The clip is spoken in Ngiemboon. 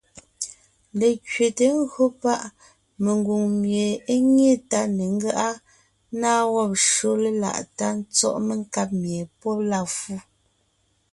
Lekẅeté (ńgÿo páʼ ) mengwòŋ mie é nyé tá ne ńgáʼa, ńnáa wɔ́b shÿó léláʼ tá tsɔ́ʼ menkáb mie pɔ́ la fu,